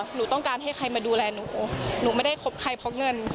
หนูต้องการให้ใครมาดูแลหนูหนูไม่ได้คบใครเพราะเงิน